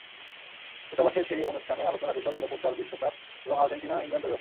দূতাবাসের সেই অনুষ্ঠানে আলোচনার বিষয়ও ছিল ফুটবল, বিশ্বকাপ এবং আর্জেন্টিনা-ইংল্যান্ড দ্বৈরথ।